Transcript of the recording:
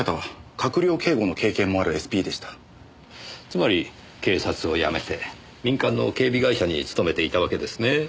つまり警察を辞めて民間の警備会社に勤めていたわけですね。